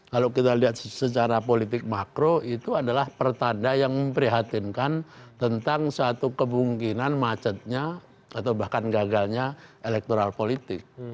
kalau kita lihat secara politik makro itu adalah pertanda yang memprihatinkan tentang satu kemungkinan macetnya atau bahkan gagalnya elektoral politik